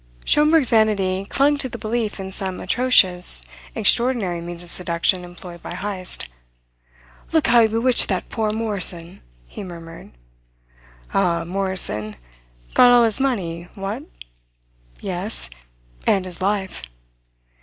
Schomberg's vanity clung to the belief in some atrocious, extraordinary means of seduction employed by Heyst. "Look how he bewitched that poor Morrison," he murmured. "Ah, Morrison got all his money, what?" "Yes and his life."